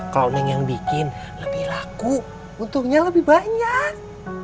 kalau neng yang bikin lebih laku untungnya lebih banyak